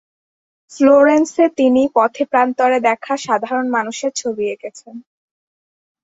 ফ্লোরেন্সে তিনি পথে প্রান্তরে দেখা সাধারণ মানুষের ছবি এঁকেছেন।